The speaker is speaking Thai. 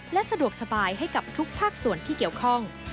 และสะดวกสบายให้กับทุกภาคส่วนที่เกี่ยวข้อง